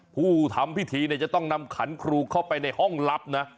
ผู้ทำพิธีจะต้องนำขันครูเข้าไปในห้องลับนะ